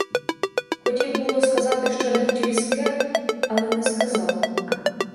Хотів, було, сказати що-небудь різке, але не сказав.